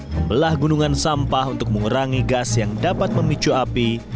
membelah gunungan sampah untuk mengurangi gas yang dapat memicu api